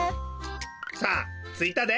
さあついたで。